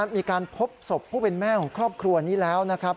มีการพบศพผู้เป็นแม่ของครอบครัวนี้แล้วนะครับ